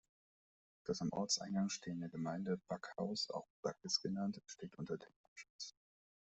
Das am Ortseingang stehende Gemeindebackhaus, auch „Backes“ genannt, steht unter Denkmalschutz.